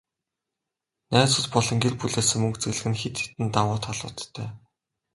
Найзууд болон гэр бүлээсээ мөнгө зээлэх нь хэд хэдэн давуу талуудтай.